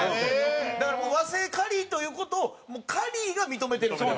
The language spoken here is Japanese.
だからもう和製カリーという事をカリーが認めてるので。